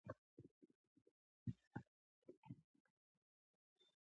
موزیلا د دې پروژې د غږونو د کیفیت لپاره ځانګړي معیارونه لري.